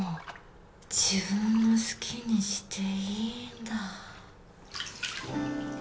自分の好きにしていいんだ。